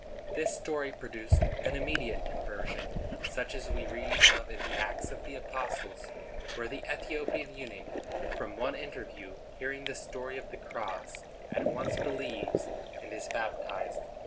This story produced an immediate conversion, such as we read of in the Acts of the Apostles, where the Ethiopian eunuch, from one interview, hearing the story of the cross, at once believes and is baptized.